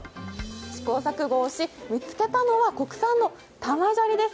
試行錯誤をし、見つけたのは国産の玉砂利です。